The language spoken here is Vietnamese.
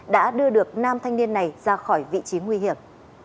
đã đưa được nam thanh niên này ra khỏi vị trí nguy hiểm